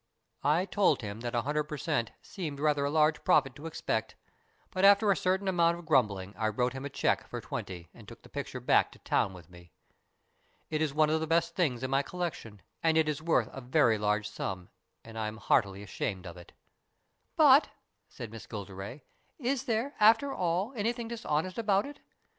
I told him that a hundred per cent, seemed rather a large profit to expect, but after a certain amount of grumbling I wrote him a cheque for twenty and took the picture back to town with me. It is one of the best things in my collection and it is worth a very large sum, and I am heartily ashamed of it." " But," said Miss Gilderay, " is there, after all, any thing dishonest about it?